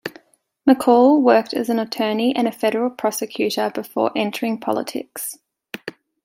McCaul worked as an attorney and a federal prosecutor before entering politics.